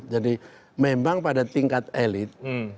jadi memang pada tingkat elit